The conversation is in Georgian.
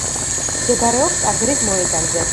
მდებარეობს ტაძრის მოედანზე.